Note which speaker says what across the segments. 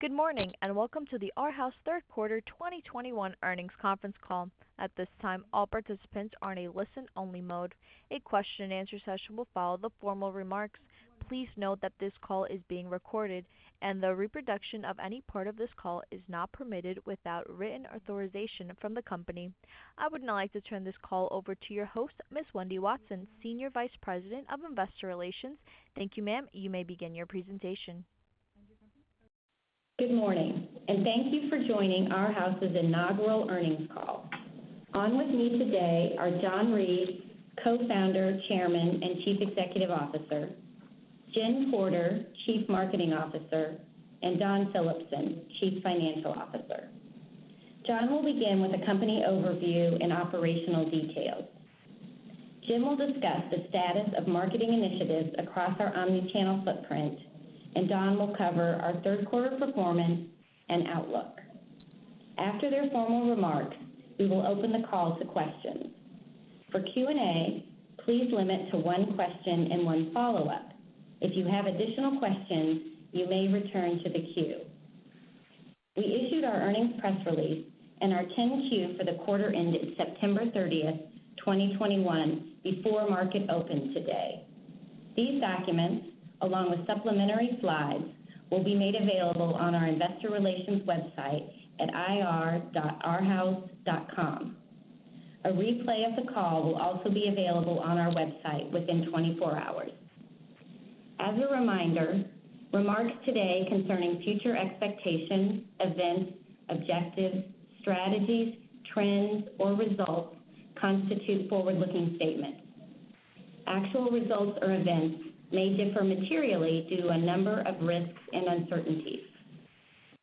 Speaker 1: Good morning, and welcome to the Arhaus third quarter 2021 earnings conference call. At this time, all participants are in a listen-only mode. A question-and-answer session will follow the formal remarks. Please note that this call is being recorded, and the reproduction of any part of this call is not permitted without written authorization from the company. I would now like to turn this call over to your host, Ms. Wendy Watson, Senior Vice President of Investor Relations. Thank you, ma'am. You may begin your presentation.
Speaker 2: Good morning, and thank you for joining Arhaus' inaugural earnings call. On with me today are John Reed, Co-Founder, Chairman, and Chief Executive Officer, Jen Porter, Chief Marketing Officer, and Dawn Phillipson, Chief Financial Officer. John will begin with a company overview and operational details. Jen will discuss the status of marketing initiatives across our omni-channel footprint, and Dawn will cover our third quarter performance and outlook. After their formal remarks, we will open the call to questions. For Q&A, please limit to one question and one follow-up. If you have additional questions, you may return to the queue. We issued our earnings press release and our 10-Q for the quarter ended September 30th, 2021 before market opened today. These documents, along with supplementary slides, will be made available on our Investor Relations website at ir.arhaus.com. A replay of the call will also be available on our website within 24 hours. As a reminder, remarks today concerning future expectations, events, objectives, strategies, trends, or results constitute forward-looking statements. Actual results or events may differ materially due to a number of risks and uncertainties.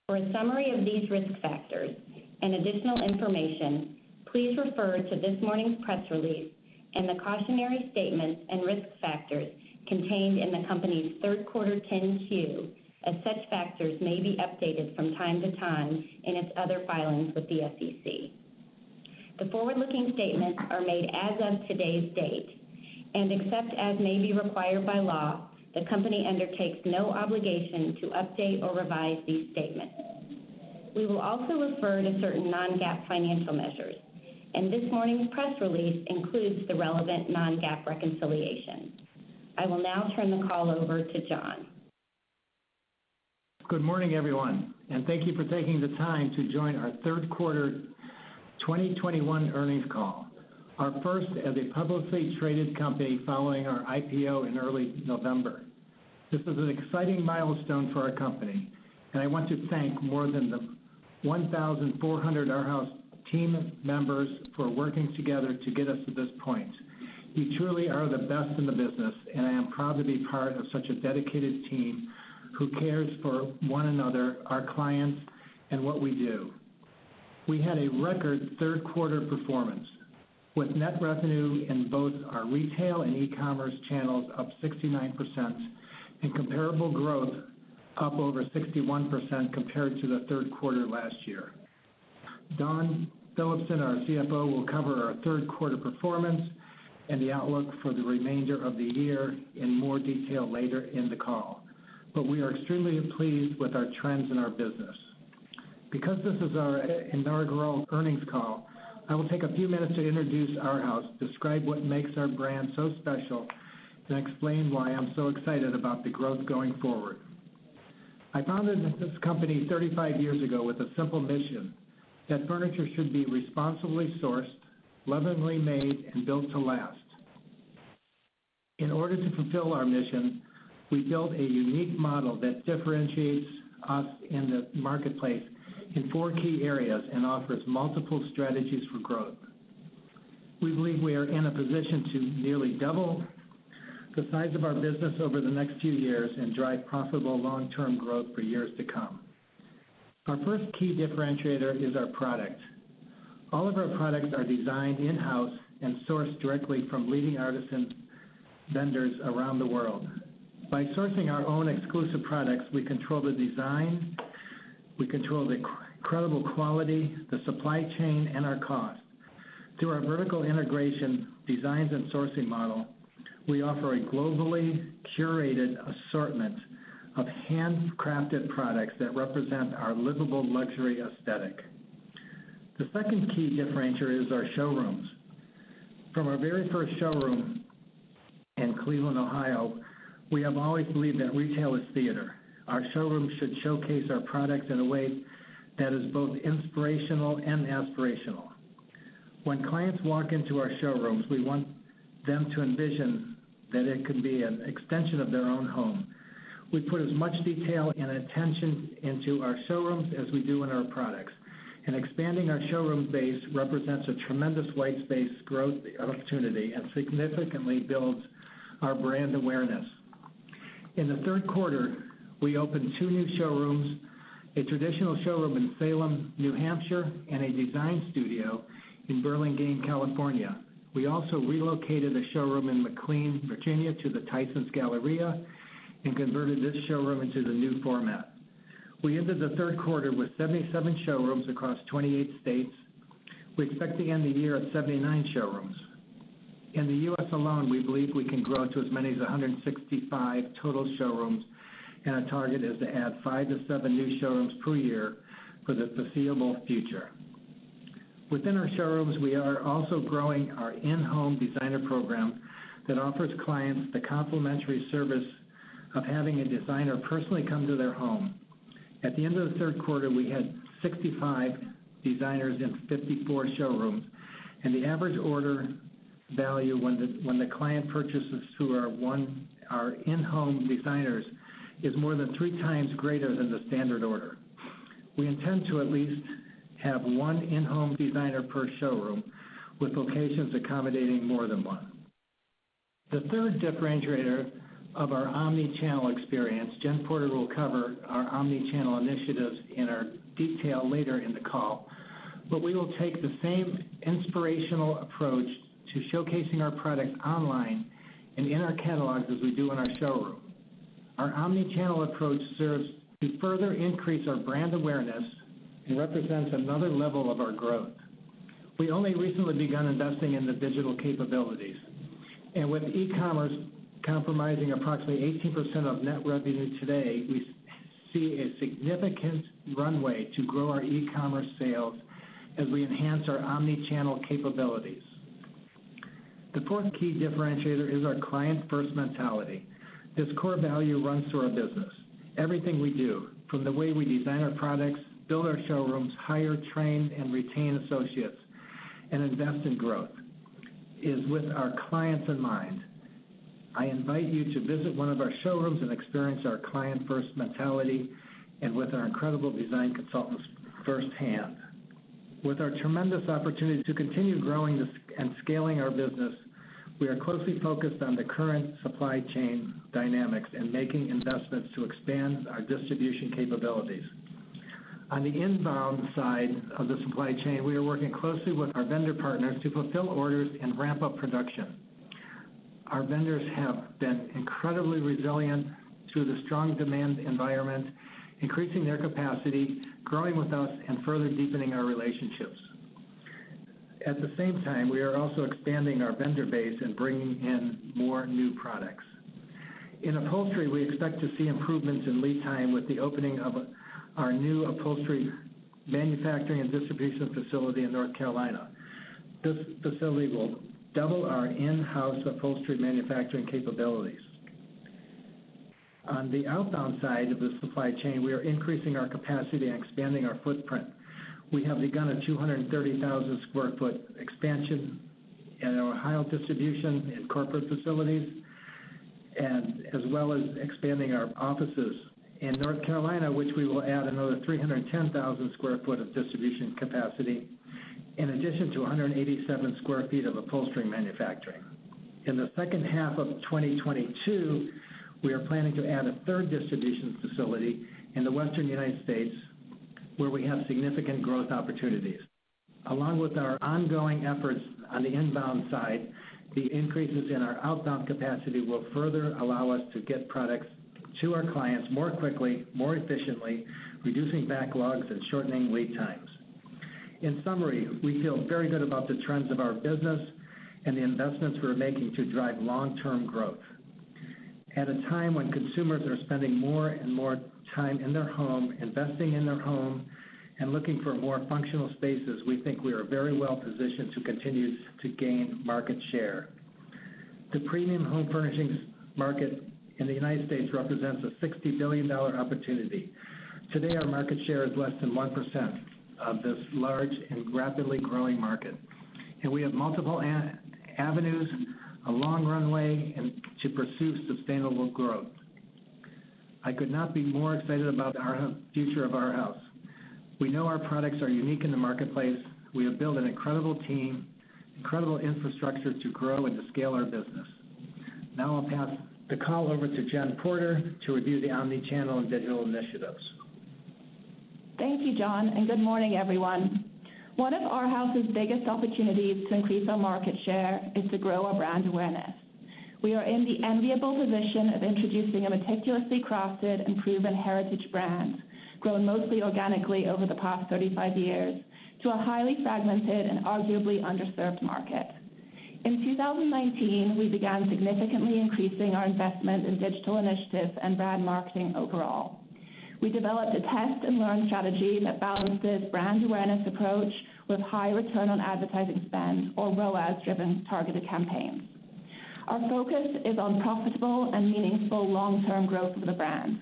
Speaker 2: For a summary of these risk factors and additional information, please refer to this morning's press release and the cautionary statements and risk factors contained in the company's third quarter 10-Q, as such factors may be updated from time to time in its other filings with the SEC. The forward-looking statements are made as of today's date, and except as may be required by law, the company undertakes no obligation to update or revise these statements. We will also refer to certain non-GAAP financial measures, and this morning's press release includes the relevant non-GAAP reconciliation. I will now turn the call over to John.
Speaker 3: Good morning, everyone, and thank you for taking the time to join our third quarter 2021 earnings call, our first as a publicly traded company following our IPO in early November. This is an exciting milestone for our company, and I want to thank more than the 1,400 Arhaus team members for working together to get us to this point. You truly are the best in the business, and I am proud to be part of such a dedicated team who cares for one another, our clients, and what we do. We had a record third quarter performance with net revenue in both our retail and e-commerce channels up 69% and comparable growth up over 61% compared to the third quarter last year. Dawn Phillipson, our CFO, will cover our third quarter performance and the outlook for the remainder of the year in more detail later in the call. We are extremely pleased with our trends in our business. Because this is our inaugural earnings call, I will take a few minutes to introduce Arhaus, describe what makes our brand so special, and explain why I'm so excited about the growth going forward. I founded this company 35 years ago with a simple mission that furniture should be responsibly sourced, lovingly made, and built to last. In order to fulfill our mission, we built a unique model that differentiates us in the marketplace in four key areas and offers multiple strategies for growth. We believe we are in a position to nearly double the size of our business over the next few years and drive profitable long-term growth for years to come. Our first key differentiator is our product. All of our products are designed in-house and sourced directly from leading artisan vendors around the world. By sourcing our own exclusive products, we control the design, we control the credible quality, the supply chain, and our cost. Through our vertical integration designs and sourcing model, we offer a globally curated assortment of handcrafted products that represent our livable luxury aesthetic. The second key differentiator is our showrooms. From our very first showroom in Cleveland, Ohio, we have always believed that retail is theater. Our showrooms should showcase our product in a way that is both inspirational and aspirational. When clients walk into our showrooms, we want them to envision that it can be an extension of their own home. We put as much detail and attention into our showrooms as we do in our products, and expanding our showroom base represents a tremendous white space growth opportunity and significantly builds our brand awareness. In the third quarter, we opened two new showrooms, a traditional showroom in Salem, New Hampshire, and a design studio in Burlingame, California. We also relocated a showroom in McLean, Virginia, to the Tysons Galleria and converted this showroom into the new format. We ended the third quarter with 77 showrooms across 28 states. We expect to end the year at 79 showrooms. In the U.S. alone, we believe we can grow to as many as 165 total showrooms, and our target is to add five to seven new showrooms per year for the foreseeable future. Within our showrooms, we are also growing our in-home designer program that offers clients the complimentary service of having a designer personally come to their home. At the end of the third quarter, we had 65 designers in 54 showrooms, and the average order value when the client purchases through our in-home designers is more than 3x greater than the standard order. We intend to at least have one in-home designer per showroom, with locations accommodating more than one. The third differentiator of our omni-channel experience, Jen Porter will cover our omni-channel initiatives in more detail later in the call, but we will take the same inspirational approach to showcasing our product online and in our catalogs as we do in our showroom. Our omni-channel approach serves to further increase our brand awareness and represents another level of our growth. We only recently begun investing in the digital capabilities, and with e-commerce comprising approximately 18% of net revenue today, we see a significant runway to grow our e-commerce sales as we enhance our omni-channel capabilities. The fourth key differentiator is our client-first mentality. This core value runs through our business. Everything we do, from the way we design our products, build our showrooms, hire, train, and retain associates, and invest in growth, is with our clients in mind. I invite you to visit one of our showrooms and experience our client-first mentality and with our incredible design consultants firsthand. With our tremendous opportunity to continue growing this and scaling our business, we are closely focused on the current supply chain dynamics and making investments to expand our distribution capabilities. On the inbound side of the supply chain, we are working closely with our vendor partners to fulfill orders and ramp up production. Our vendors have been incredibly resilient to the strong demand environment, increasing their capacity, growing with us, and further deepening our relationships. At the same time, we are also expanding our vendor base and bringing in more new products. In upholstery, we expect to see improvements in lead time with the opening of our new upholstery manufacturing and distribution facility in North Carolina. This facility will double our in-house upholstery manufacturing capabilities. On the outbound side of the supply chain, we are increasing our capacity and expanding our footprint. We have begun a 230,000 sq ft expansion in our Ohio distribution and corporate facilities and as well as expanding our offices in North Carolina, which we will add another 310,000 sq ft of distribution capacity in addition to 187 sq ft of upholstery manufacturing. In the second half of 2022, we are planning to add a third distribution facility in the Western U.S., where we have significant growth opportunities. Along with our ongoing efforts on the inbound side, the increases in our outbound capacity will further allow us to get products to our clients more quickly, more efficiently, reducing backlogs and shortening lead times. In summary, we feel very good about the trends of our business and the investments we're making to drive long-term growth. At a time when consumers are spending more and more time in their home, investing in their home, and looking for more functional spaces, we think we are very well positioned to continue to gain market share. The premium home furnishings market in the United States represents a $60 billion opportunity. Today, our market share is less than 1% of this large and rapidly growing market, and we have multiple avenues, a long runway, and to pursue sustainable growth. I could not be more excited about our future of Arhaus. We know our products are unique in the marketplace. We have built an incredible team, incredible infrastructure to grow and to scale our business. Now I'll pass the call over to Jen Porter to review the omni-channel and digital initiatives.
Speaker 4: Thank you, John, and good morning, everyone. One of Arhaus' biggest opportunities to increase our market share is to grow our brand awareness. We are in the enviable position of introducing a meticulously crafted and proven heritage brand, grown mostly organically over the past 35 years, to a highly fragmented and arguably underserved market. In 2019, we began significantly increasing our investment in digital initiatives and brand marketing overall. We developed a test-and-learn strategy that balances brand awareness approach with high return on advertising spend or ROAS-driven targeted campaigns. Our focus is on profitable and meaningful long-term growth of the brand.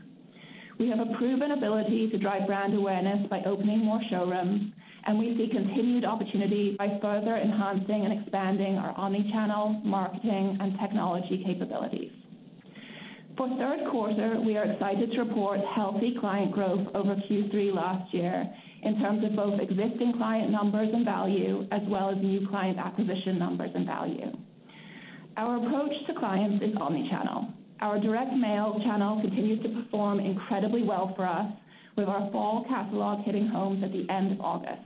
Speaker 4: We have a proven ability to drive brand awareness by opening more showrooms, and we see continued opportunity by further enhancing and expanding our omni-channel marketing and technology capabilities. For third quarter, we are excited to report healthy client growth over Q3 last year in terms of both existing client numbers and value as well as new client acquisition numbers and value. Our approach to clients is omni-channel. Our direct mail channel continues to perform incredibly well for us with our fall catalog hitting homes at the end of August.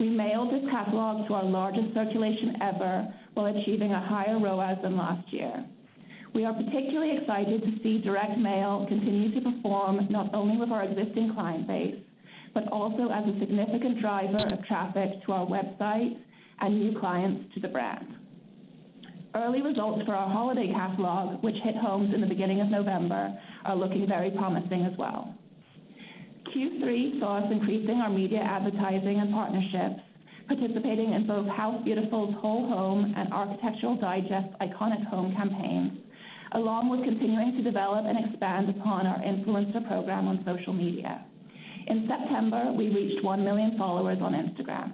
Speaker 4: We mailed this catalog to our largest circulation ever while achieving a higher ROAS than last year. We are particularly excited to see direct mail continue to perform not only with our existing client base, but also as a significant driver of traffic to our website and new clients to the brand. Early results for our holiday catalog, which hit homes in the beginning of November, are looking very promising as well. Q3 saw us increasing our media advertising and partnerships, participating in both House Beautiful's Whole Home and Architectural Digest Iconic Home campaigns, along with continuing to develop and expand upon our influencer program on social media. In September, we reached 1 million followers on Instagram.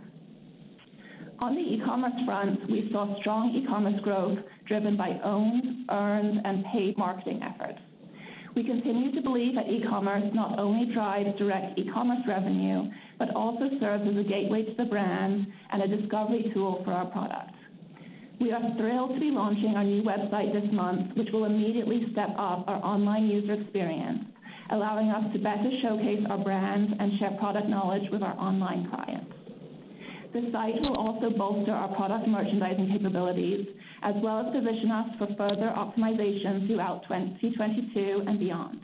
Speaker 4: On the e-commerce front, we saw strong e-commerce growth driven by owned, earned, and paid marketing efforts. We continue to believe that e-commerce not only drives direct e-commerce revenue, but also serves as a gateway to the brand and a discovery tool for our products. We are thrilled to be launching our new website this month, which will immediately step up our online user experience, allowing us to better showcase our brand and share product knowledge with our online clients. The site will also bolster our product merchandising capabilities as well as position us for further optimization throughout 2022 and beyond.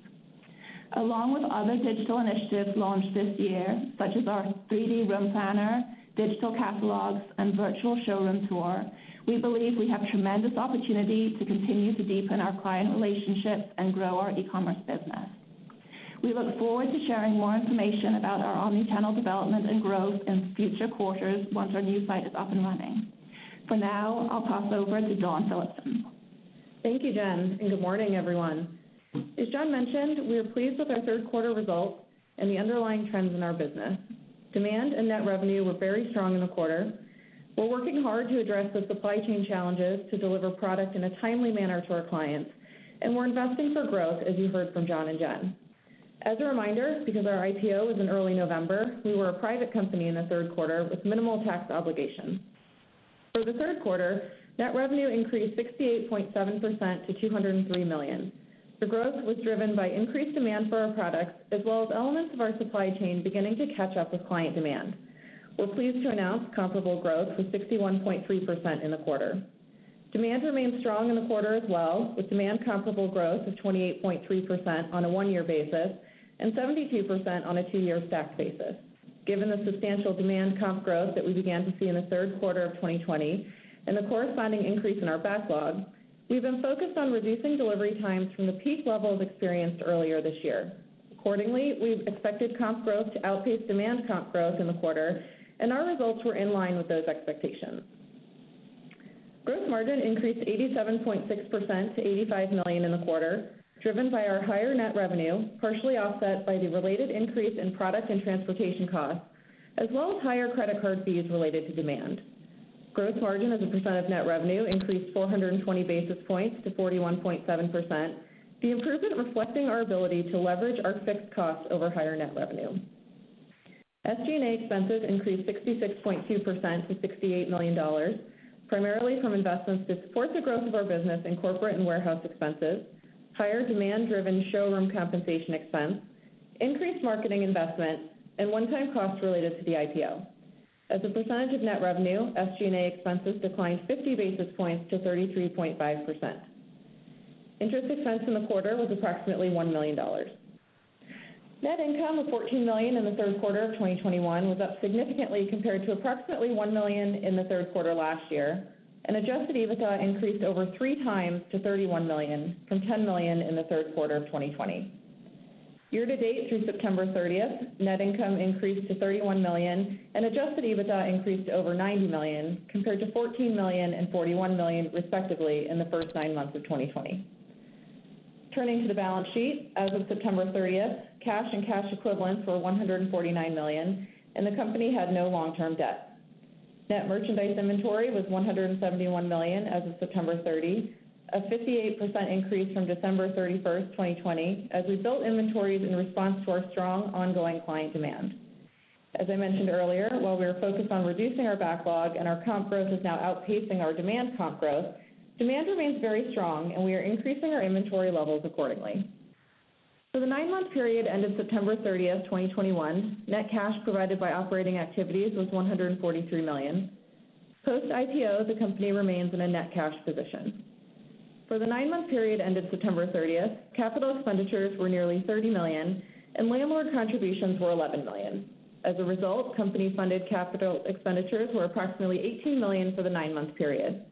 Speaker 4: Along with other digital initiatives launched this year, such as our 3D room planner, digital catalogs, and virtual showroom tour, we believe we have tremendous opportunity to continue to deepen our client relationships and grow our e-commerce business. We look forward to sharing more information about our omni-channel development and growth in future quarters once our new site is up and running. For now, I'll pass over to Dawn Phillipson.
Speaker 5: Thank you, Jen, and good morning, everyone. As John mentioned, we are pleased with our third quarter results and the underlying trends in our business. Demand and net revenue were very strong in the quarter. We're working hard to address the supply chain challenges to deliver product in a timely manner to our clients, and we're investing for growth, as you heard from John and Jen. As a reminder, because our IPO was in early November, we were a private company in the third quarter with minimal tax obligations. For the third quarter, net revenue increased 68.7% to $203 million. The growth was driven by increased demand for our products as well as elements of our supply chain beginning to catch up with client demand. We're pleased to announce comparable growth was 61.3% in the quarter. Demand remained strong in the quarter as well, with demand comparable growth of 28.3% on a one-year basis and 72% on a two-year stacked basis. Given the substantial demand comp growth that we began to see in the third quarter of 2020 and the corresponding increase in our backlog, we've been focused on reducing delivery times from the peak levels experienced earlier this year. Accordingly, we've expected comp growth to outpace demand comp growth in the quarter, and our results were in line with those expectations. Gross margin increased 87.6% to $85 million in the quarter, driven by our higher net revenue, partially offset by the related increase in product and transportation costs, as well as higher credit card fees related to demand. Gross margin as a percent of net revenue increased 420 basis points to 41.7%, the improvement reflecting our ability to leverage our fixed costs over higher net revenue. SG&A expenses increased 66.2% to $68 million, primarily from investments to support the growth of our business in corporate and warehouse expenses, higher demand-driven showroom compensation expense, increased marketing investment, and one-time costs related to the IPO. As a percentage of net revenue, SG&A expenses declined 50 basis points to 33.5%. Interest expense in the quarter was approximately $1 million. Net income of $14 million in the third quarter of 2021 was up significantly compared to approximately $1 million in the third quarter last year, and adjusted EBITDA increased over 3x to $31 million from $10 million in the third quarter of 2020. Year-to-date through September 30th, net income increased to $31 million, and adjusted EBITDA increased to over $90 million, compared to $14 million and $41 million, respectively, in the first nine months of 2020. Turning to the balance sheet. As of September 30th, cash and cash equivalents were $149 million, and the company had no long-term debt. Net merchandise inventory was $171 million as of September 30, a 58% increase from December 31st, 2020, as we built inventories in response to our strong ongoing client demand. As I mentioned earlier, while we are focused on reducing our backlog and our comp growth is now outpacing our demand comp growth, demand remains very strong, and we are increasing our inventory levels accordingly. For the nine-month period ended September 30th, 2021, net cash provided by operating activities was $143 million. Post-IPO, the company remains in a net cash position. For the nine-month period ended September 30th, 2021, capital expenditures were nearly $30 million and landlord contributions were $11 million. As a result, company-funded capital expenditures were approximately $18 million for the nine-month period.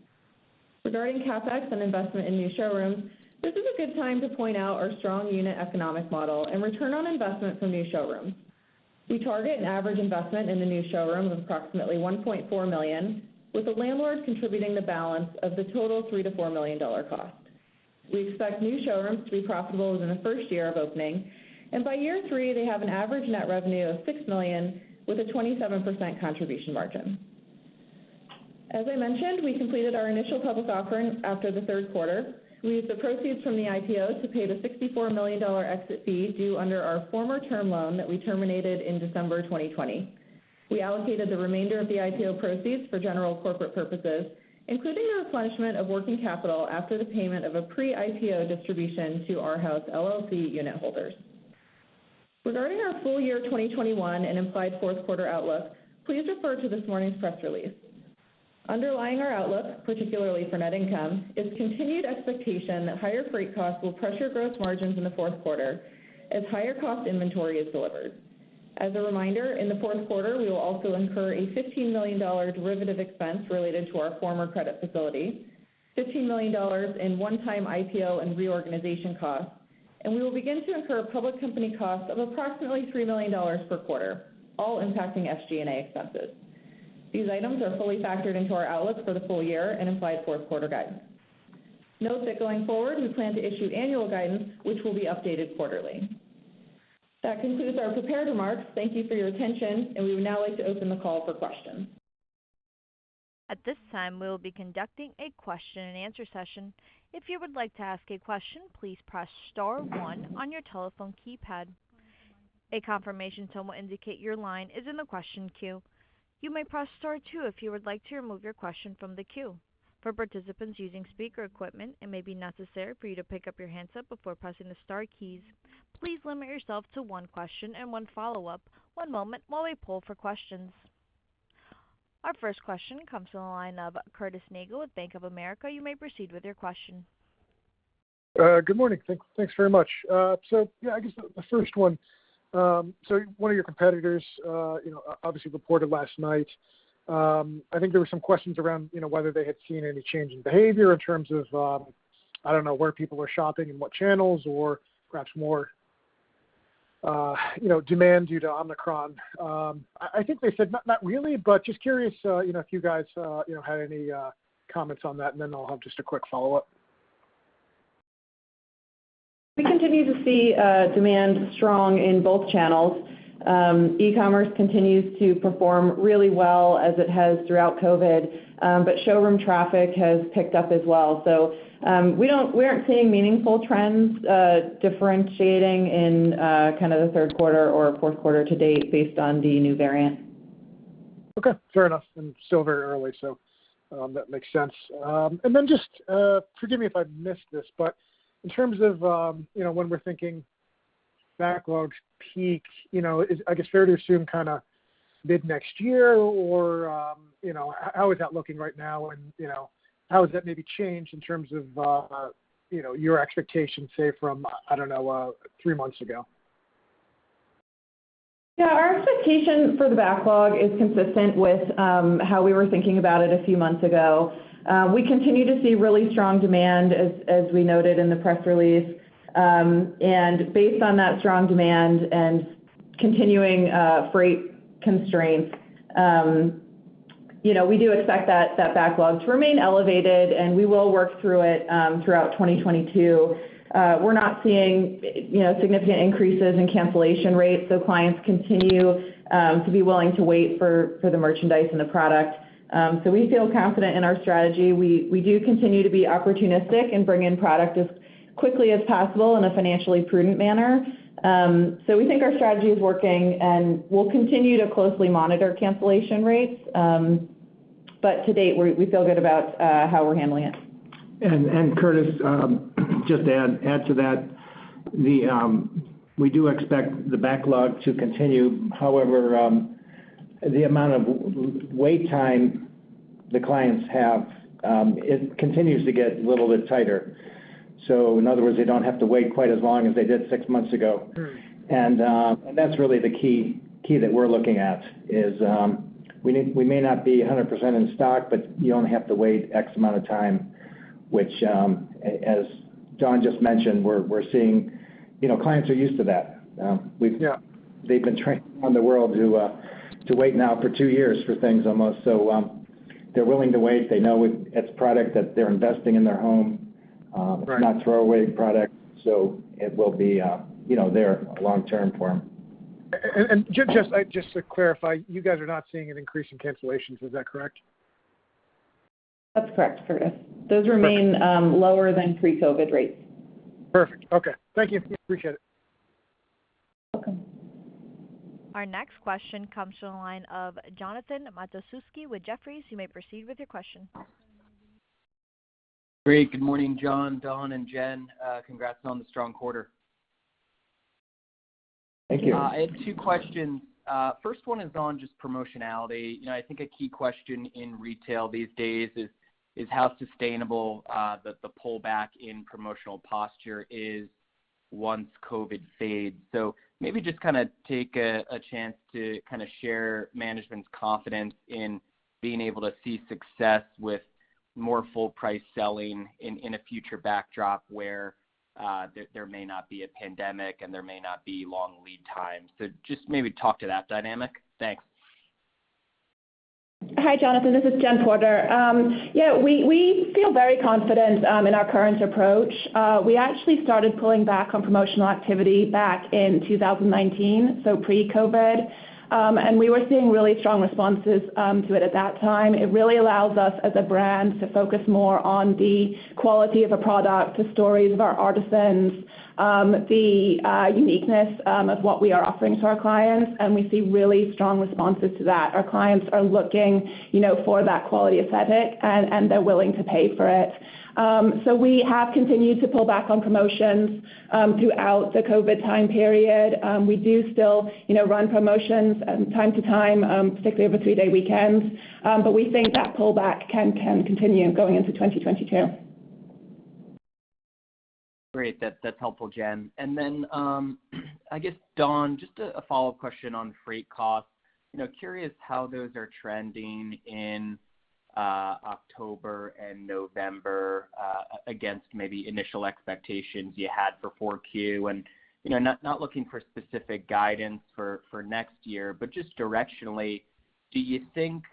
Speaker 5: Regarding CapEx and investment in new showrooms, this is a good time to point out our strong unit economic model and return on investment from new showrooms. We target an average investment in the new showrooms of approximately $1.4 million, with the landlord contributing the balance of the total $3 million-$4 million cost. We expect new showrooms to be profitable within the first year of opening, and by year three, they have an average net revenue of $6 million with a 27% contribution margin. As I mentioned, we completed our initial public offering after the third quarter. We used the proceeds from the IPO to pay the $64 million exit fee due under our former term loan that we terminated in December 2020. We allocated the remainder of the IPO proceeds for general corporate purposes, including the replenishment of working capital after the payment of a pre-IPO distribution to Arhaus, LLC unit holders. Regarding our full year 2021 and implied fourth quarter outlook, please refer to this morning's press release. Underlying our outlook, particularly for net income, is continued expectation that higher freight costs will pressure gross margins in the fourth quarter as higher cost inventory is delivered. As a reminder, in the fourth quarter, we will also incur a $15 million derivative expense related to our former credit facility, $15 million in one-time IPO and reorganization costs, and we will begin to incur public company costs of approximately $3 million per quarter, all impacting SG&A expenses. These items are fully factored into our outlook for the full year and implied fourth quarter guidance. Note that going forward, we plan to issue annual guidance, which will be updated quarterly. That concludes our prepared remarks. Thank you for your attention, and we would now like to open the call for questions.
Speaker 1: At this time, we will be conducting a question-and-answer session. If you would like to ask a question, please press star one on your telephone keypad. A confirmation tone will indicate your line is in the question queue. You may press star two if you would like to remove your question from the queue. For participants using speaker equipment, it may be necessary for you to pick up your handset before pressing the star keys. Please limit yourself to one question and one follow-up. One moment while we poll for questions. Our first question comes from the line of Curtis Nagle with Bank of America. You may proceed with your question.
Speaker 6: Good morning. Thanks very much. Yeah, I guess the first one. One of your competitors, you know, obviously reported last night. I think there were some questions around, you know, whether they had seen any change in behavior in terms of, I don't know, where people are shopping and what channels or perhaps more, you know, demand due to Omicron. I think they said not really, but just curious, you know, if you guys, you know, had any comments on that, and then I'll have just a quick follow-up.
Speaker 5: We continue to see strong demand in both channels. E-commerce continues to perform really well as it has throughout COVID, but showroom traffic has picked up as well. We aren't seeing meaningful trends differentiating in kind of the third quarter or fourth quarter to date based on the new variant.
Speaker 6: Okay, fair enough. Still very early, that makes sense. Then just forgive me if I missed this, but in terms of you know, when we're thinking backlog peak, you know, is I guess fair to assume kinda mid-next year or you know, how is that looking right now and you know, how has that maybe changed in terms of you know, your expectations, say from I don't know, three months ago?
Speaker 5: Yeah, our expectation for the backlog is consistent with how we were thinking about it a few months ago. We continue to see really strong demand as we noted in the press release. Based on that strong demand and continuing freight constraints, you know, we do expect that backlog to remain elevated, and we will work through it throughout 2022. We're not seeing, you know, significant increases in cancellation rates, so clients continue to be willing to wait for the merchandise and the product. We feel confident in our strategy. We do continue to be opportunistic and bring in product as quickly as possible in a financially prudent manner. We think our strategy is working, and we'll continue to closely monitor cancellation rates. To date, we feel good about how we're handling it.
Speaker 3: Curtis, just to add to that, we do expect the backlog to continue. However, the amount of wait time the clients have, it continues to get a little bit tighter. In other words, they don't have to wait quite as long as they did six months ago.
Speaker 6: Hmm.
Speaker 3: That's really the key that we're looking at is, we may not be 100% in stock, but you only have to wait X amount of time, which, as Dawn just mentioned, we're seeing. You know, clients are used to that. We've
Speaker 6: Yeah.
Speaker 3: They've been trained around the world to wait now for two years for things almost. They're willing to wait. They know it's product that they're investing in their home.
Speaker 6: Right.
Speaker 3: It's not throwaway product, so it will be, you know, there long-term for them.
Speaker 6: Just to clarify, you guys are not seeing an increase in cancellations, is that correct?
Speaker 5: That's correct, Curtis.
Speaker 6: Perfect.
Speaker 5: Those remain lower than pre-COVID rates.
Speaker 6: Perfect. Okay. Thank you. Appreciate it.
Speaker 5: You're welcome.
Speaker 1: Our next question comes from the line of Jonathan Matuszewski with Jefferies. You may proceed with your question.
Speaker 7: Great. Good morning, John, Dawn, and Jen. Congrats on the strong quarter.
Speaker 3: Thank you.
Speaker 7: I have two questions. First one is on just promotionality. You know, I think a key question in retail these days is how sustainable the pullback in promotional posture is once COVID fades. Maybe just kinda take a chance to kinda share management's confidence in being able to see success with more full price selling in a future backdrop where there may not be a pandemic and there may not be long lead times. Just maybe talk to that dynamic. Thanks.
Speaker 4: Hi, Jonathan Matuszewski. This is Jen Porter. We feel very confident in our current approach. We actually started pulling back on promotional activity back in 2019, so pre-COVID. We were seeing really strong responses to it at that time. It really allows us as a brand to focus more on the quality of a product, the stories of our artisans, the uniqueness of what we are offering to our clients, and we see really strong responses to that. Our clients are looking, you know, for that quality aesthetic, and they're willing to pay for it. We have continued to pull back on promotions throughout the COVID-time period. We do still, you know, run promotions time to time, particularly over three-day weekends. We think that pullback can continue going into 2022.
Speaker 7: Great. That's helpful, Jen. I guess, Dawn, just a follow-up question on freight costs. You know, curious how those are trending in October and November against maybe initial expectations you had for 4Q. You know, not looking for specific guidance for next year, but just directionally, do you think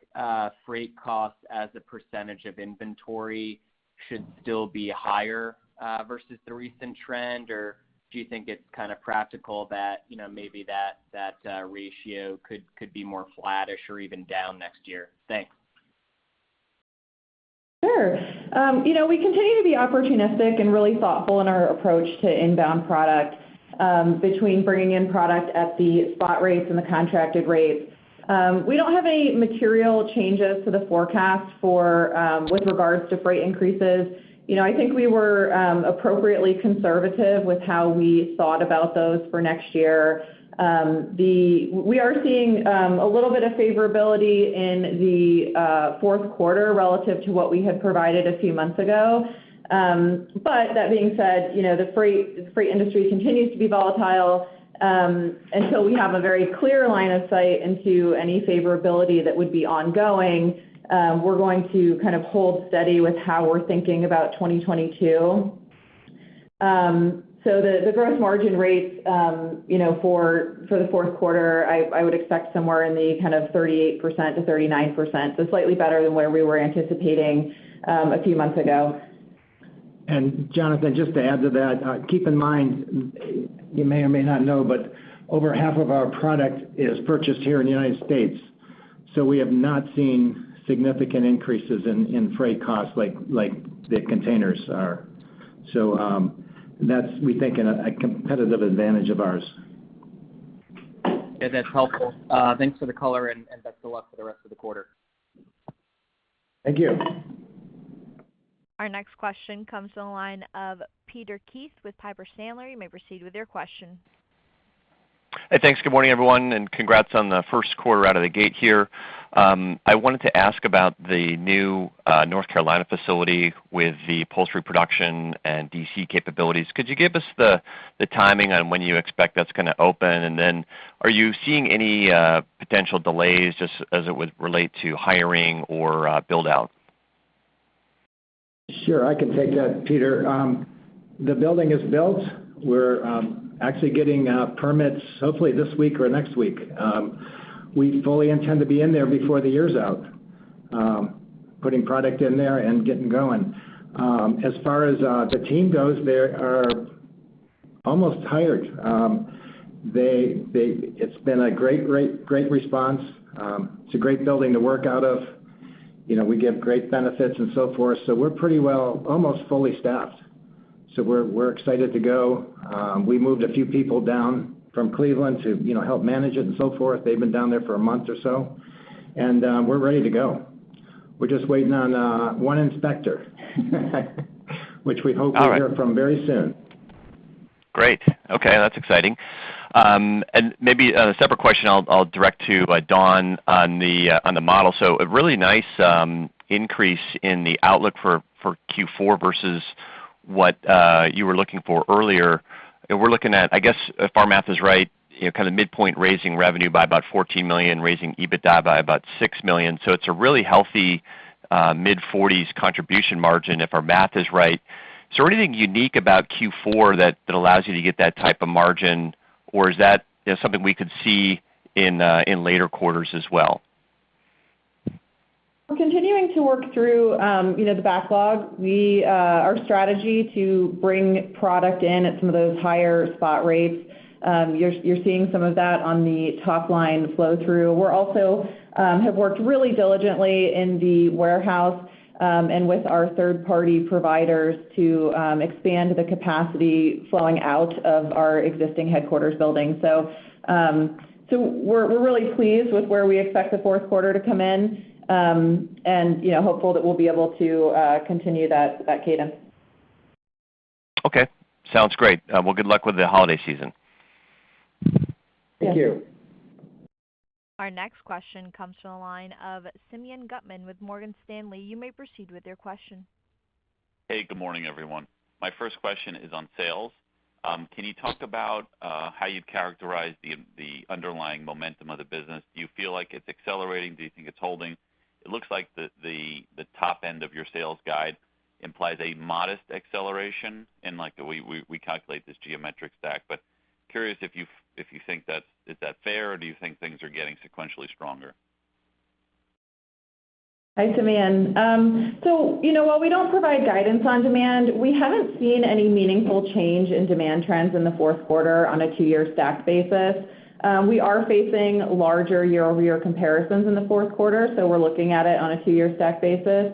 Speaker 7: freight costs as a percentage of inventory should still be higher versus the recent trend? Or do you think it's kind of practical that, you know, maybe that ratio could be more flattish or even down next year? Thanks.
Speaker 5: Sure. You know, we continue to be opportunistic and really thoughtful in our approach to inbound product between bringing in product at the spot rates and the contracted rates. We don't have any material changes to the forecast with regards to freight increases. You know, I think we were appropriately conservative with how we thought about those for next year. We are seeing a little bit of favorability in the fourth quarter relative to what we had provided a few months ago. But that being said, you know, the freight industry continues to be volatile. Until we have a very clear line of sight into any favorability that would be ongoing, we're going to kind of hold steady with how we're thinking about 2022. The gross margin rates, you know, for the fourth quarter, I would expect somewhere in the kind of 38%-39%, slightly better than where we were anticipating a few months ago.
Speaker 3: Jonathan, just to add to that, keep in mind, you may or may not know, but over half of our product is purchased here in the United States. We have not seen significant increases in freight costs like the containers are. That's, we think, a competitive advantage of ours.
Speaker 7: Yeah, that's helpful. Thanks for the color and best of luck for the rest of the quarter.
Speaker 3: Thank you.
Speaker 1: Our next question comes from the line of Peter Keith with Piper Sandler. You may proceed with your question.
Speaker 8: Hey, thanks. Good morning, everyone, and congrats on the first quarter out of the gate here. I wanted to ask about the new North Carolina facility with the upholstery production and DC capabilities. Could you give us the timing on when you expect that's gonna open? And then are you seeing any potential delays just as it would relate to hiring or build out?
Speaker 3: Sure, I can take that, Peter. The building is built. We're actually getting permits hopefully this week or next week. We fully intend to be in there before the year's out, putting product in there and getting going. As far as the team goes, they are almost hired. It's been a great response. It's a great building to work out of. You know, we give great benefits and so forth, so we're pretty well almost fully staffed. We're excited to go. We moved a few people down from Cleveland to help manage it and so forth. They've been down there for a month or so, and we're ready to go. We're just waiting on one inspector which we hope-
Speaker 8: All right.
Speaker 3: We hear from very soon.
Speaker 8: Great. Okay, that's exciting. Maybe a separate question I'll direct to Dawn on the model. A really nice increase in the outlook for Q4 versus what you were looking for earlier. We're looking at, I guess, if our math is right, you know, kind of midpoint raising revenue by about $14 million, raising EBITDA by about $6 million. It's a really healthy mid-40s% contribution margin if our math is right. Is there anything unique about Q4 that allows you to get that type of margin, or is that, you know, something we could see in later quarters as well?
Speaker 5: We're continuing to work through, you know, the backlog. Our strategy to bring product in at some of those higher spot rates, you're seeing some of that on the top line flow through. We have worked really diligently in the warehouse, and with our third-party providers to expand the capacity flowing out of our existing headquarters building. We're really pleased with where we expect the fourth quarter to come in, and, you know, hopeful that we'll be able to continue that cadence.
Speaker 8: Okay. Sounds great. Well, good luck with the holiday season.
Speaker 5: Yes.
Speaker 3: Thank you.
Speaker 1: Our next question comes from the line of Simeon Gutman with Morgan Stanley. You may proceed with your question.
Speaker 9: Hey, good morning, everyone. My first question is on sales. Can you talk about how you'd characterize the underlying momentum of the business? Do you feel like it's accelerating? Do you think it's holding? It looks like the top end of your sales guide implies a modest acceleration in like the way we calculate this geometric stack, but curious if you think that's fair, or do you think things are getting sequentially stronger?
Speaker 5: Thanks, Simeon. You know, while we don't provide guidance on demand, we haven't seen any meaningful change in demand trends in the fourth quarter on a two-year stacked basis. We are facing larger year-over-year comparisons in the fourth quarter, so we're looking at it on a two-year stacked basis.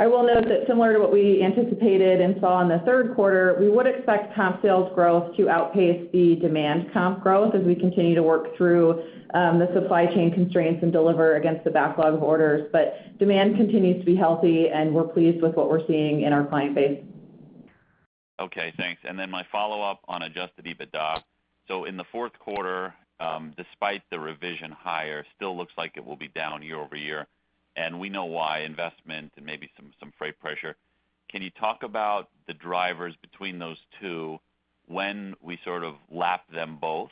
Speaker 5: I will note that similar to what we anticipated and saw in the third quarter, we would expect comp sales growth to outpace the demand comp growth as we continue to work through the supply chain constraints and deliver against the backlog of orders. Demand continues to be healthy, and we're pleased with what we're seeing in our client base.
Speaker 9: Okay, thanks. My follow-up on adjusted EBITDA. In the fourth quarter, despite the revision higher, still looks like it will be down year-over-year. We know why investment and maybe some freight pressure. Can you talk about the drivers between those two when we sort of lap them both?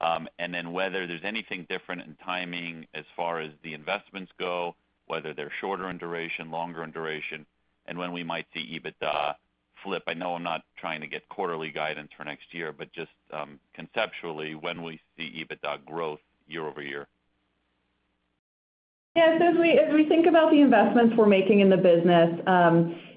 Speaker 9: Whether there's anything different in timing as far as the investments go, whether they're shorter in duration, longer in duration, and when we might see EBITDA flip? I know I'm not trying to get quarterly guidance for next year, but just conceptually, when we see EBITDA growth year-over-year.
Speaker 5: Yes. As we think about the investments we're making in the business,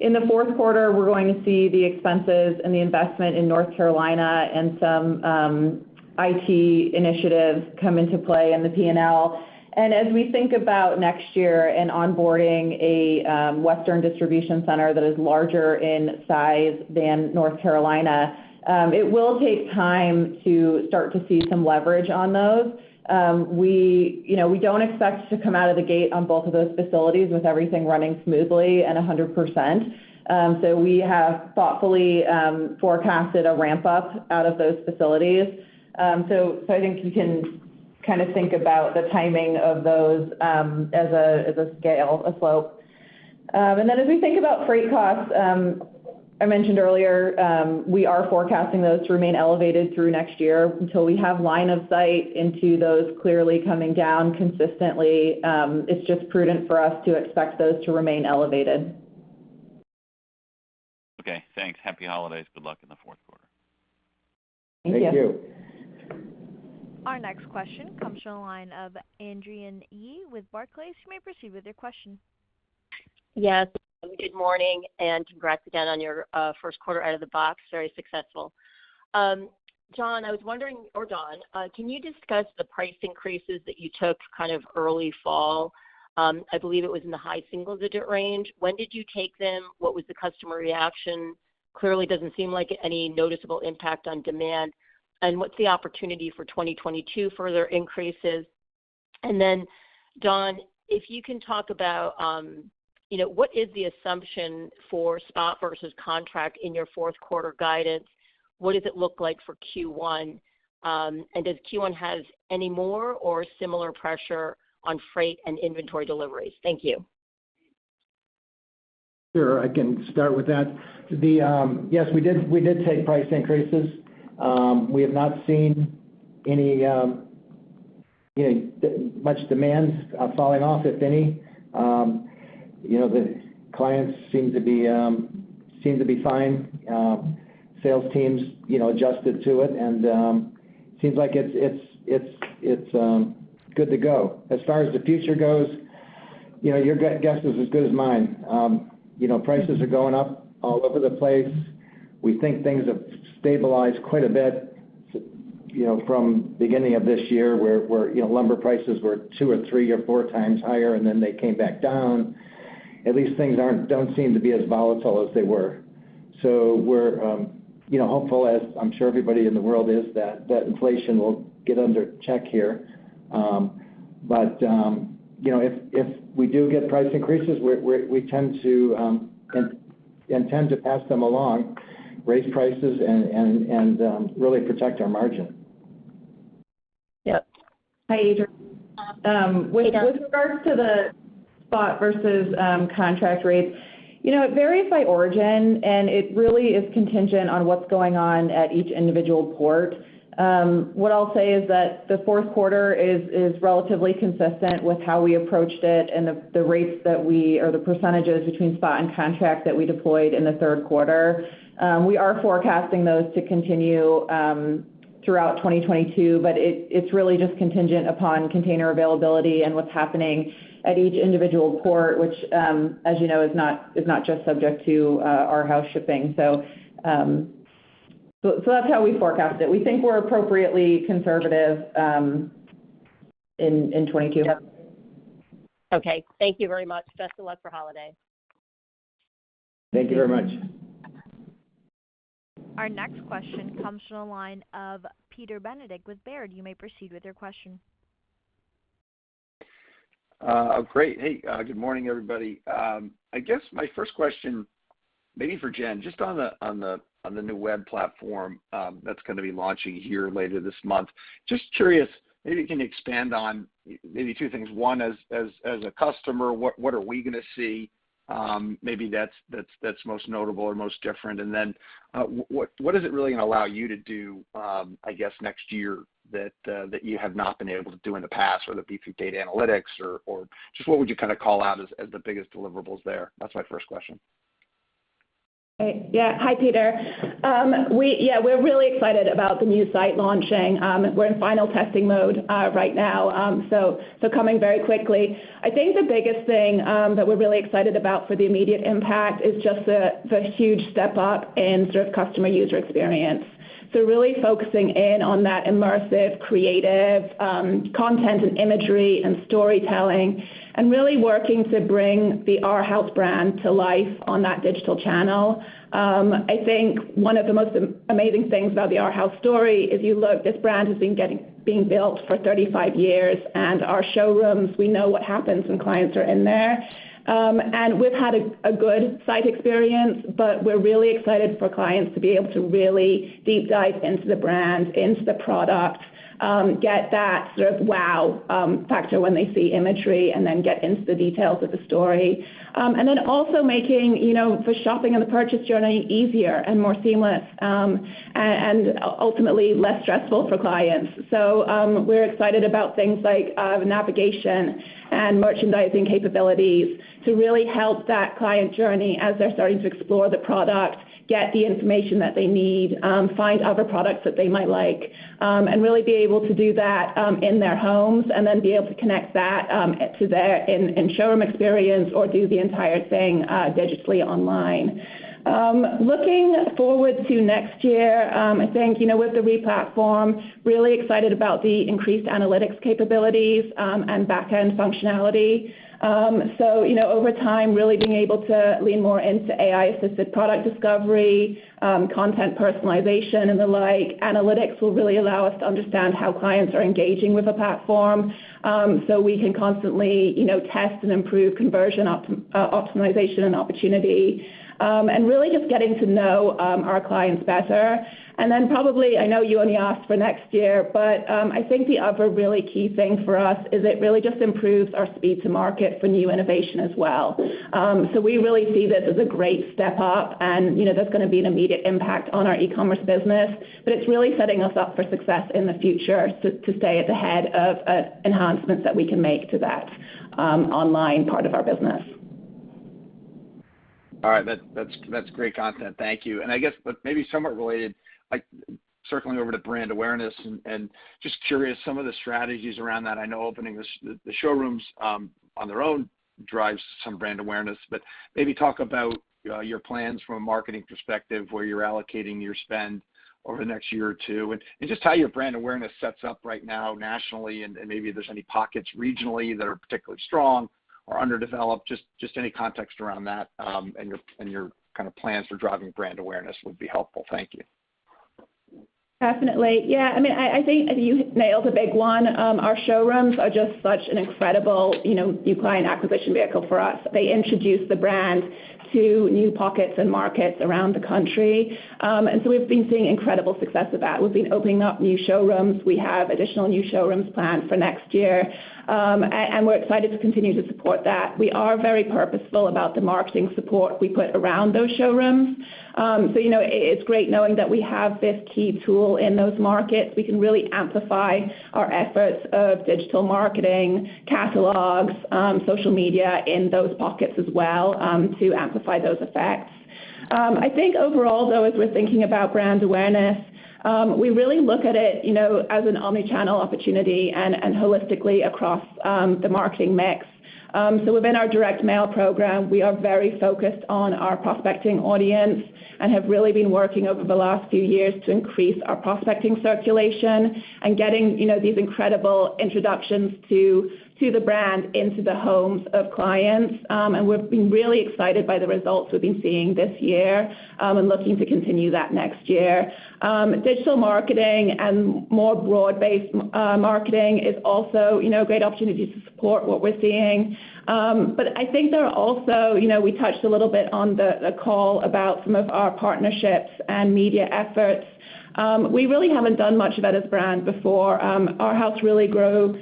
Speaker 5: in the fourth quarter, we're going to see the expenses and the investment in North Carolina and some IT initiatives come into play in the P&L. As we think about next year and onboarding a Western distribution center that is larger in size than North Carolina, it will take time to start to see some leverage on those. You know, we don't expect to come out of the gate on both of those facilities with everything running smoothly and 100%. So we have thoughtfully forecasted a ramp up out of those facilities. So I think you can kind of think about the timing of those as a scale, a slope. As we think about freight costs, I mentioned earlier, we are forecasting those to remain elevated through next year until we have line of sight into those clearly coming down consistently. It's just prudent for us to expect those to remain elevated.
Speaker 9: Okay, thanks. Happy holidays. Good luck in the fourth quarter.
Speaker 5: Thank you.
Speaker 3: Thank you.
Speaker 1: Our next question comes from the line of Adrienne Yih with Barclays. You may proceed with your question.
Speaker 10: Yes. Good morning and congrats again on your first quarter out of the box. Very successful. John, I was wondering, or Dawn, can you discuss the price increases that you took kind of early fall? I believe it was in the high single-digit range. When did you take them? What was the customer reaction? Clearly doesn't seem like any noticeable impact on demand. What's the opportunity for 2022 further increases? Then Dawn, if you can talk about what is the assumption for spot versus contract in your fourth quarter guidance? What does it look like for Q1? And does Q1 has any more or similar pressure on freight and inventory deliveries? Thank you.
Speaker 3: Sure. I can start with that. Yes, we did take price increases. We have not seen any, you know, much demands falling off, if any. You know, the clients seem to be fine. Sales teams, you know, adjusted to it and seems like it's good to go. As far as the future goes, you know, your guess is as good as mine. You know, prices are going up all over the place. We think things have stabilized quite a bit, you know, from beginning of this year where you know, lumber prices were 2x or 3x or 4x higher, and then they came back down. At least things don't seem to be as volatile as they were. We're, you know, hopeful, as I'm sure everybody in the world is, that inflation will get in check here. You know, if we do get price increases, we tend to intend to pass them along, raise prices, and really protect our margin.
Speaker 10: Yep.
Speaker 5: Hi, Adrienne.
Speaker 10: Hey, Dawn.
Speaker 5: With regards to the spot versus contract rates, you know, it varies by origin, and it really is contingent on what's going on at each individual port. What I'll say is that the fourth quarter is relatively consistent with how we approached it and the rates that we or the percentages between spot and contract that we deployed in the third quarter. We are forecasting those to continue throughout 2022, but it's really just contingent upon container availability and what's happening at each individual port, which, as you know, is not just subject to our Arhaus shipping. That's how we forecast it. We think we're appropriately conservative in 2022.
Speaker 10: Okay. Thank you very much. Best of luck for holiday.
Speaker 3: Thank you very much.
Speaker 1: Our next question comes from the line of Peter Benedict with Baird. You may proceed with your question.
Speaker 11: Great. Hey, good morning, everybody. I guess my first question, maybe for Jen, just on the new web platform that's gonna be launching here later this month. Just curious, maybe you can expand on maybe two things. One, as a customer, what are we gonna see? Maybe that's most notable or most different. What is it really allow you to do next year that you have not been able to do in the past, whether it be through data analytics or just what would you kind of call out as the biggest deliverables there? That's my first question.
Speaker 4: Great. Yeah. Hi, Peter. We're really excited about the new site launching. We're in final testing mode right now. So coming very quickly. I think the biggest thing that we're really excited about for the immediate impact is just the huge step up in sort of customer user experience. Really focusing in on that immersive, creative, content and imagery and storytelling, and really working to bring the Arhaus brand to life on that digital channel. I think one of the most amazing things about the Arhaus story is you look, this brand has been being built for 35 years, and our showrooms, we know what happens when clients are in there. We've had a good site experience, but we're really excited for clients to be able to really deep dive into the brand, into the product, get that sort of wow factor when they see imagery and then get into the details of the story. Then also making, you know, the shopping and the purchase journey easier and more seamless, and ultimately, less stressful for clients. We're excited about things like navigation and merchandising capabilities to really help that client journey as they're starting to explore the product, get the information that they need, find other products that they might like, and really be able to do that in their homes, and then be able to connect that to their in-showroom experience or do the entire thing digitally online. Looking forward to next year, I think, you know, with the replatform, really excited about the increased analytics capabilities and backend functionality. You know, over time, really being able to lean more into AI-assisted product discovery, content personalization and the like. Analytics will really allow us to understand how clients are engaging with the platform, so we can constantly, you know, test and improve conversion optimization and opportunity, and really just getting to know our clients better. Then probably, I know you only asked for next year, but, I think the other really key thing for us is it really just improves our speed to market for new innovation as well. We really see this as a great step up and, you know, there's gonna be an immediate impact on our e-commerce business. It's really setting us up for success in the future to stay at the head of enhancements that we can make to that online part of our business.
Speaker 11: All right. That's great content. Thank you. I guess, but maybe somewhat related, like circling over to brand awareness and just curious some of the strategies around that. I know opening the showrooms on their own drives some brand awareness. Maybe talk about your plans from a marketing perspective, where you're allocating your spend over the next year or two, and just how your brand awareness sets up right now nationally, and maybe there's any pockets regionally that are particularly strong or underdeveloped. Just any context around that, and your kind of plans for driving brand awareness would be helpful. Thank you.
Speaker 4: Definitely. Yeah. I mean, I think you nailed a big one. Our showrooms are just such an incredible, you know, new client acquisition vehicle for us. They introduce the brand to new pockets and markets around the country. We've been seeing incredible success with that. We've been opening up new showrooms. We have additional new showrooms planned for next year. We're excited to continue to support that. We are very purposeful about the marketing support we put around those showrooms. You know, it's great knowing that we have this key tool in those markets. We can really amplify our efforts of digital marketing, catalogs, social media in those pockets as well, to amplify those effects. I think overall though, as we're thinking about brand awareness, we really look at it, you know, as an omni-channel opportunity and holistically across the marketing mix. So within our direct mail program, we are very focused on our prospecting audience and have really been working over the last few years to increase our prospecting circulation and getting, you know, these incredible introductions to the brand into the homes of clients. And we've been really excited by the results we've been seeing this year and looking to continue that next year. Digital marketing and more broad-based marketing is also, you know, a great opportunity to support what we're seeing. I think there are also, you know, we touched a little bit on the call about some of our partnerships and media efforts. We really haven't done much of that as a brand before. Arhaus really grew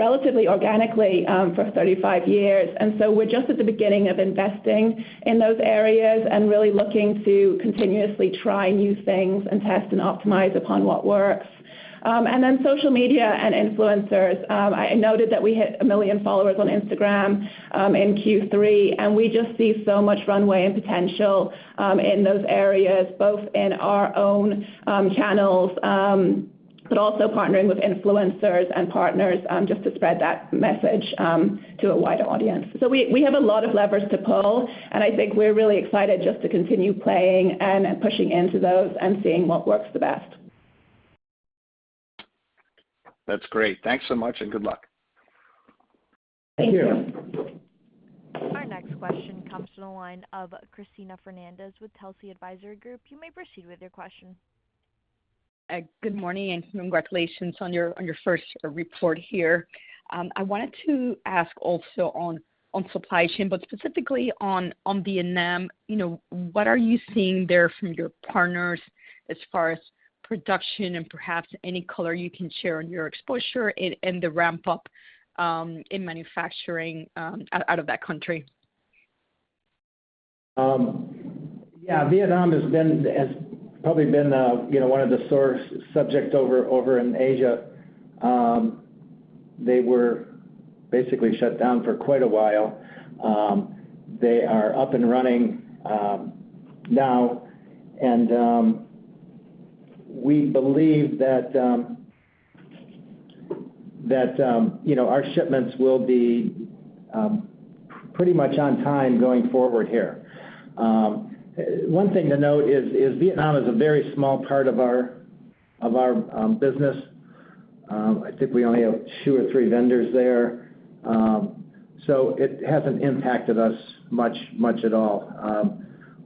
Speaker 4: relatively organically for 35 years, and we're just at the beginning of investing in those areas and really looking to continuously try new things and test and optimize upon what works. Social media and influencers. I noted that we hit 1 million followers on Instagram in Q3, and we just see so much runway and potential in those areas, both in our own channels, but also partnering with influencers and partners, just to spread that message to a wider audience. We have a lot of levers to pull, and I think we're really excited just to continue playing and pushing into those and seeing what works the best.
Speaker 11: That's great. Thanks so much and good luck.
Speaker 4: Thank you.
Speaker 1: Our next question comes from the line of Cristina Fernandez with Telsey Advisory Group. You may proceed with your question.
Speaker 12: Good morning and congratulations on your first report here. I wanted to ask also on supply chain, but specifically on Vietnam. You know, what are you seeing there from your partners as far as production and perhaps any color you can share on your exposure and the ramp up in manufacturing out of that country?
Speaker 3: Yeah, Vietnam has probably been, you know, one of the sore subjects over in Asia. They were basically shut down for quite a while. They are up and running now. We believe that That, you know, our shipments will be pretty much on time going forward here. One thing to note is Vietnam is a very small part of our business. I think we only have two or three vendors there. So it hasn't impacted us much at all.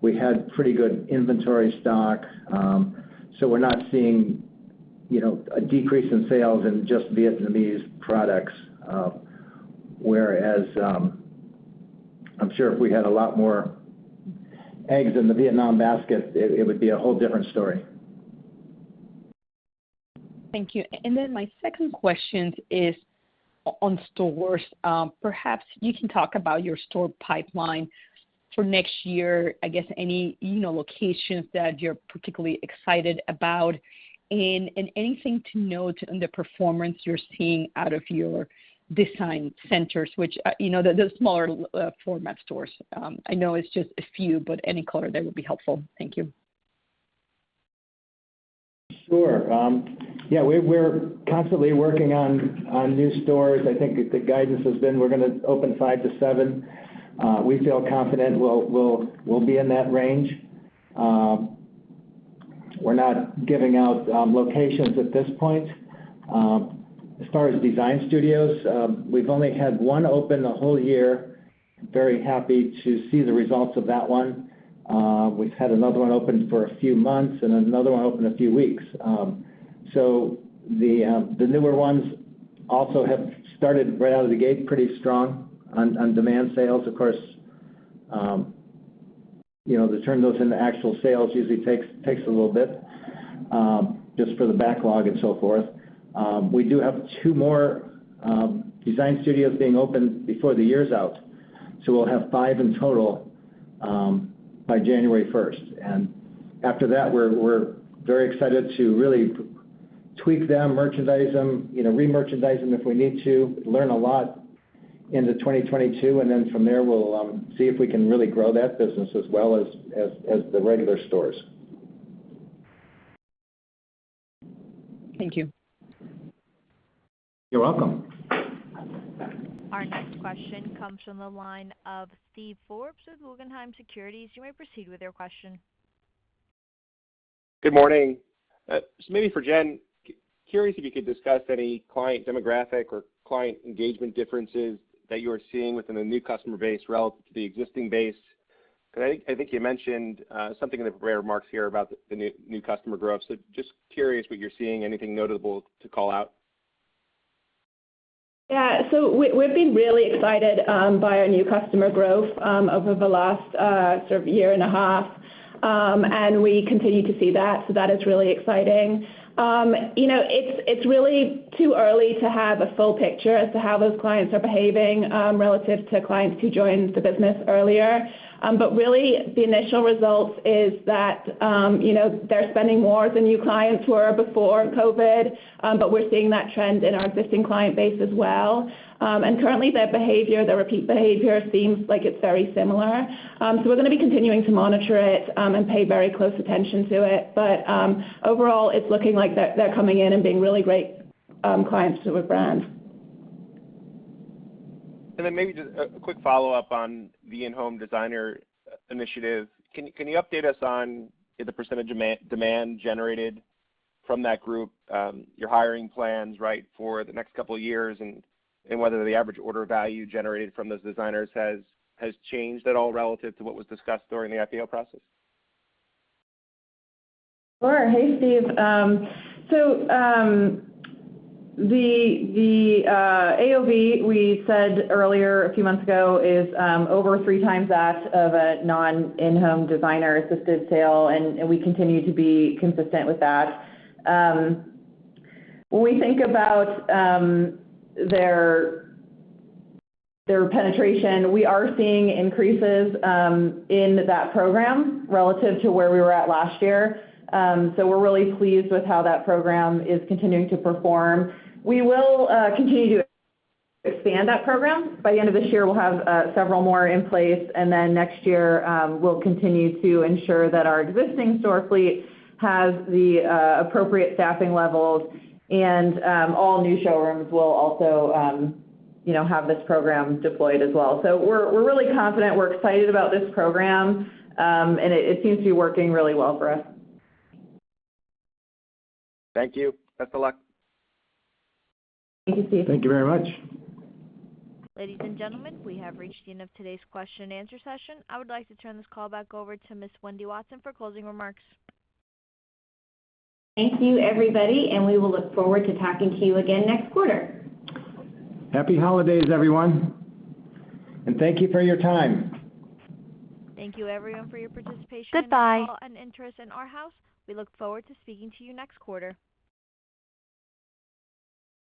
Speaker 3: We had pretty good inventory stock, so we're not seeing, you know, a decrease in sales in just Vietnamese products. Whereas, I'm sure if we had a lot more eggs in the Vietnam basket, it would be a whole different story.
Speaker 12: Thank you. My second question is on stores. Perhaps you can talk about your store pipeline for next year, I guess any, you know, locations that you're particularly excited about. And anything to note on the performance you're seeing out of your design centers, which, you know, the smaller format stores. I know it's just a few, but any color there would be helpful. Thank you.
Speaker 3: Sure. Yeah, we're constantly working on new stores. I think the guidance has been we're gonna open five to seven. We feel confident we'll be in that range. We're not giving out locations at this point. As far as design studios, we've only had one open the whole year. We're very happy to see the results of that one. We've had another one open for a few months and another one open a few weeks. So the newer ones also have started right out of the gate pretty strong on demand sales. Of course, you know, to turn those into actual sales usually takes a little bit just for the backlog and so forth. We do have two more design studios being opened before the year's out, so we'll have five in total by January first. After that, we're very excited to really tweak them, merchandise them, you know, remerchandise them if we need to, learn a lot into 2022, and then from there, we'll see if we can really grow that business as well as the regular stores.
Speaker 12: Thank you.
Speaker 3: You're welcome.
Speaker 1: Our next question comes from the line of Steve Forbes of Guggenheim Securities. You may proceed with your question.
Speaker 13: Good morning. This is maybe for Jen. Curious if you could discuss any client demographic or client engagement differences that you are seeing within the new customer base relative to the existing base. 'Cause I think you mentioned something in the remarks here about the new customer growth. Just curious what you're seeing. Anything notable to call out?
Speaker 4: Yeah. We've been really excited by our new customer growth over the last sort of year and a half. We continue to see that, so that is really exciting. You know, it's really too early to have a full picture as to how those clients are behaving relative to clients who joined the business earlier. But really the initial results is that, you know, they're spending more than new clients were before COVID, but we're seeing that trend in our existing client base as well. Currently their behavior, their repeat behavior seems like it's very similar. We're gonna be continuing to monitor it and pay very close attention to it. But overall, it's looking like they're coming in and being really great clients to the brand.
Speaker 13: Maybe just a quick follow-up on the in-home designer initiative. Can you update us on the percentage demand generated from that group, your hiring plans, right, for the next couple of years, and whether the average order value generated from those designers has changed at all relative to what was discussed during the IPO process?
Speaker 5: Sure. Hey, Steve. The AOV, we said earlier, a few months ago, is over 3x that of a non-in-home designer-assisted sale, and we continue to be consistent with that. When we think about their penetration, we are seeing increases in that program relative to where we were at last year. We're really pleased with how that program is continuing to perform. We will continue to expand that program. By the end of this year, we'll have several more in place, and then next year, we'll continue to ensure that our existing store fleet has the appropriate staffing levels. All new showrooms will also, you know, have this program deployed as well. We're really confident. We're excited about this program, and it seems to be working really well for us.
Speaker 13: Thank you. Best of luck.
Speaker 5: Thank you, Steve.
Speaker 3: Thank you very much.
Speaker 1: Ladies and gentlemen, we have reached the end of today's question and answer session. I would like to turn this call back over to Ms. Wendy Watson for closing remarks.
Speaker 2: Thank you, everybody, and we will look forward to talking to you again next quarter.
Speaker 3: Happy holidays, everyone, and thank you for your time.
Speaker 1: Thank you everyone for your participation.
Speaker 4: Goodbye.
Speaker 1: Interest in Arhaus. We look forward to speaking to you next quarter.